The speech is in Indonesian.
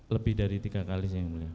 lebih dari tiga kali saya yang mulia